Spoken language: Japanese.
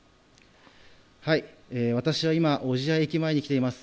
私は今小千谷駅前に来ています。